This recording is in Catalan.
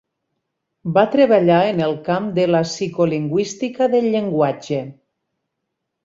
Va treballar en el camp de la psicolingüística del llenguatge.